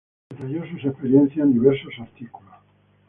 Detalló sus experiencias en diversos artículos.